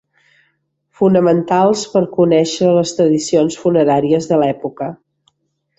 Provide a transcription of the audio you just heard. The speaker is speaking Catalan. Fonamentals per a conèixer les tradicions funeràries de l'època.